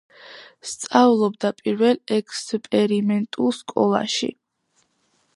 სწავლობდა პირველ ექსპერიმენტულ სკოლაში.